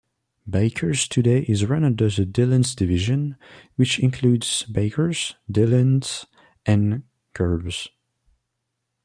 Baker's today is run under the Dillons division, which includes Baker's, Dillons, and Gerbes.